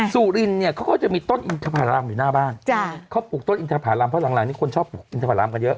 สุรินเนี่ยเขาก็จะมีต้นอินทภารามอยู่หน้าบ้านเขาปลูกต้นอินทภารามเพราะหลังนี้คนชอบปลูกอินทภารามกันเยอะ